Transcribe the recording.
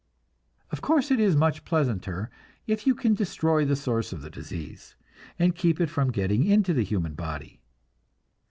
Of course it is much pleasanter if you can destroy the source of the disease, and keep it from getting into the human body.